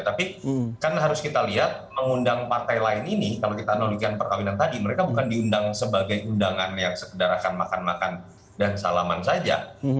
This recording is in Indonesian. tapi kan harus kita lihat mengundang partai lain ini kalau kita analikan perkawinan tadi mereka bukan diundang sebagai undangan yang sekedar akan makan makan dan salaman saja